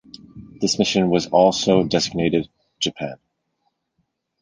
This mission was also designated "Japan".